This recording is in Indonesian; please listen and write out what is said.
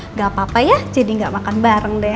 nggak apa apa ya jadi nggak makan bareng deh